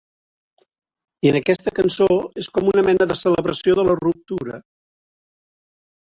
I en aquesta cançó, és com una mena de celebració de la ruptura...